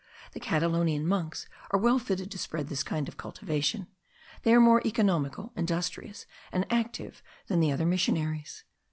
The Catalonian monks are well fitted to spread this kind of cultivation; they are more economical, industrious, and active than the other missionaries.